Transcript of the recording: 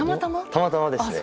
たまたまです。